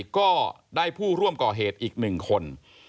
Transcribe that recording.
ก็ได้ผู้ร่วมก่อเหตุอีก๑คน